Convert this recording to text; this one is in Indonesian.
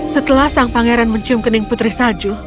setelah sang pangeran mencium kening putri salju